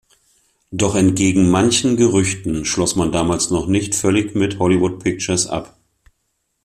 Doch entgegen manchen Gerüchten schloss man damals noch nicht völlig mit Hollywood Pictures ab.